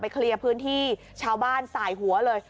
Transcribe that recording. เคลียร์พื้นที่ชาวบ้านสายหัวเลย